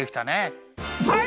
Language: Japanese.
はい！